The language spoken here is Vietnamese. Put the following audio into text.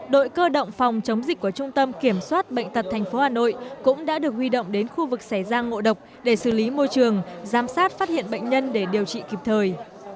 đội cơ động phòng chống dịch của trung tâm kiểm soát bệnh tật tp hà nội cũng đã được huy động đến khu vực xẻ giang ngộ độc để xử lý môi trường giám sát phát hiện bệnh nhân để điều trị kịp thời